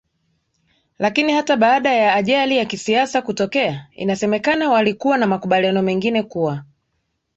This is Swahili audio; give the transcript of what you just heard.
Lakini hata baada ya ajali ya kisiasa kutokea inasemekana walikuwa na makubaliano mengine kuwa